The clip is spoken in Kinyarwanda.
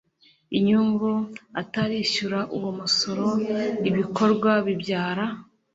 inyungu atarishyura uwo musoro ibikorwa bibyara